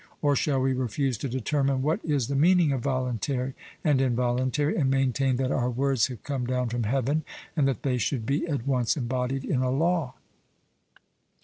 Or shall we refuse to determine what is the meaning of voluntary and involuntary, and maintain that our words have come down from heaven, and that they should be at once embodied in a law?'